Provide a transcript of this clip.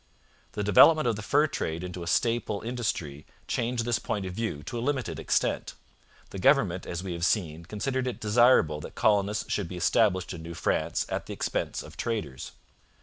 The development of the fur trade into a staple industry changed this point of view to a limited extent. The government, as we have seen, considered it desirable that colonists should be established in New France at the expense of traders.